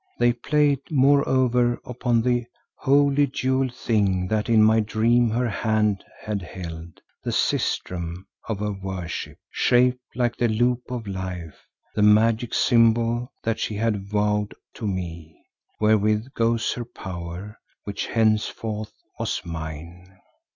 They played, moreover, upon the holy jewelled thing that in my dream her hand had held, the sistrum of her worship, shaped like the loop of life, the magic symbol that she had vowed to me, wherewith goes her power, which henceforth was mine.